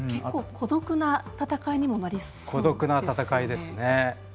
結構、孤独な戦いにもなりそうですね。